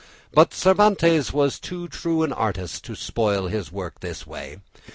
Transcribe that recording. But Cervantes was too true an artist to spoil his work in this way.